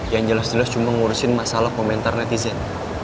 yang jelas jelas cuma ngurusin masalah komentar netizen